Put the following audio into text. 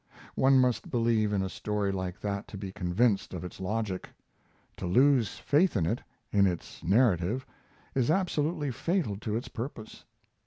One must believe in a story like that to be convinced of its logic. To lose faith in it in its narrative is absolutely fatal to its purpose.